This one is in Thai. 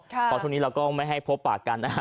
เพราะช่วงนี้เราก็ไม่ให้พบปากกันนะฮะ